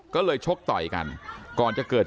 ท่านดูเหตุการณ์ก่อนนะครับ